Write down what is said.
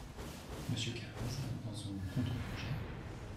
Monsieur Carrez, dans son contre-budget.